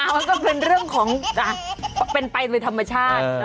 มันก็เป็นเรื่องของเป็นไปโดยธรรมชาติ